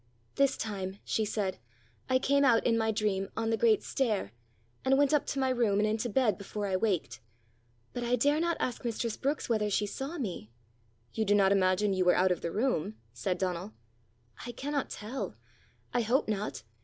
"This time," she said, "I came out, in my dream, on the great stair, and went up to my room, and into bed, before I waked. But I dare not ask mistress Brookes whether she saw me " "You do not imagine you were out of the room?" said Donal. "I cannot tell. I hope not.